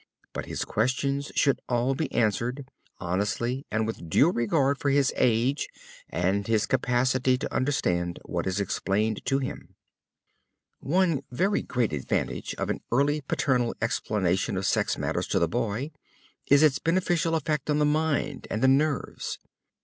But his questions should all be answered, honestly, and with due regard for his age and his capacity to understand what is explained to him. One very great advantage of an early paternal explanation of sex matters to the boy is its beneficial effect on the mind and the nerves.